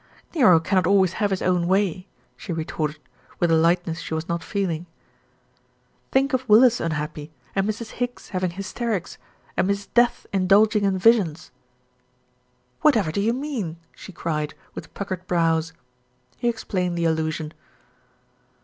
"Nero cannot always have his own way," she re torted, with a lightness she was not feeling. "Think of Willis unhappy and Mrs. Higgs having hysterics and Mrs. Death indulging in visions." ERIC PRONOUNCES IT SPIF 347 "Whatever do you mean?" she cried, with puckered brows. He explained the allusion.